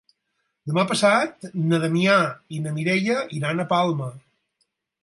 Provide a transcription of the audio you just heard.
Demà passat na Damià i na Mireia iran a Palma.